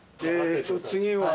次は。